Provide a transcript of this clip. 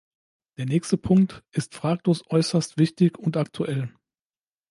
Der nächste Punkt ist fraglos äußerst wichtig und aktuell.